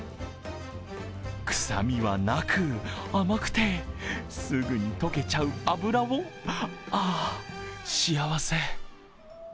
臭みはなく甘くて、すぐに溶けちゃう脂をああ、幸せ！